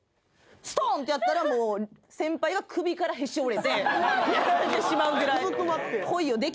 ストーン！ってやったらもう先輩が首からへし折れてやられてしまうぐらい。